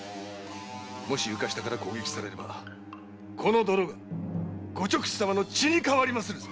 もし床下から攻撃されればこの泥がご勅使様の血に変わりまするぞ！